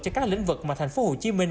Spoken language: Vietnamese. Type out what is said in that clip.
cho các lĩnh vực mà thành phố hồ chí minh